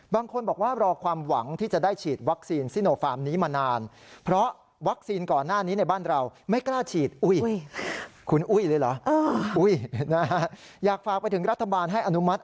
บางคนบอกว่ารอความหวังที่จะได้ฉีดวัคซีนซิโนฟาร์มนี้มานาน